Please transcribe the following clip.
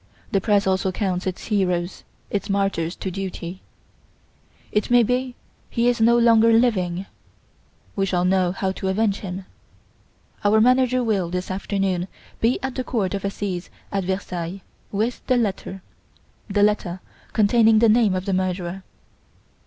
The press also counts its heroes, its martyrs to duty. It may be he is no longer living. We shall know how to avenge him. Our manager will, this afternoon, be at the Court of Assize at Versailles, with the letter the letter containing the name of the murderer!"